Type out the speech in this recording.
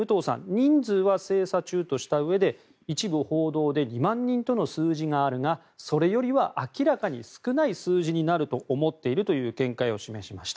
人数は精査中としたうえで一部報道で２万人との数字があるがそれよりは明らかに少ない数字になると思っているという見解を示しました。